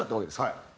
はい。